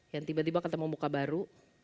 yang tiba tiba ketemu muka baru